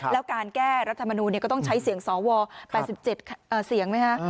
แล้วการแก้รัฐมนูลก็ต้องใช้เสียงสว๘๗เสียงไหมคะ